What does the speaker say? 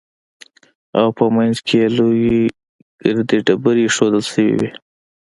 او په منځ کښې يې لويې ګردې ډبرې ايښوول سوې وې.